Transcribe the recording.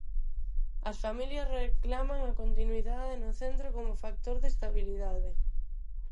As familias reclaman a continuidade no centro como factor de estabilidade.